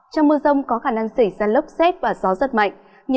trong mưa rông có khả năng xảy ra lốc xét và gió giật mạnh